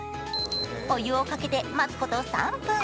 お湯をかけて待つこと３分。